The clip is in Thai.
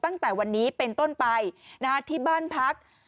ตั้งแต่วันนี้เป็นต้นไปที่บ้านพัก